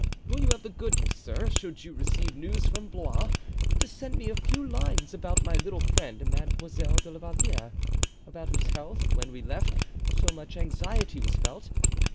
Will you have the goodness, sir, should you receive news from Blois, to send me a few lines about my little friend Mademoiselle de la Valliere, about whose health, when we left, so much anxiety was felt?